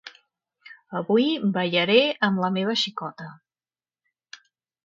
Avui ballaré amb la meva xicota.